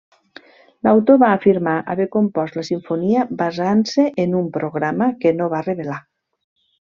L'autor va afirmar haver compost la simfonia basant-se en un programa que no va revelar.